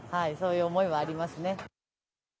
そういう思いはありますね。